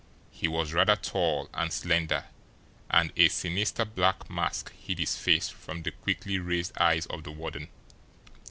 He was rather tall and slender, and a sinister black mask hid his face from the quickly raised eyes of the warden.